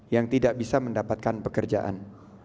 yang tidak bisa mendapatkan pekerjaan